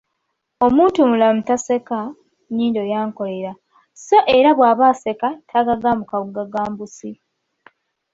Omuntumulamu taseka “nnyindo yankolera” so era bw’aba aseka tagagambukabugagambusi.